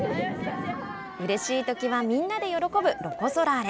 うれしいときはみんなで喜ぶロコ・ソラーレ。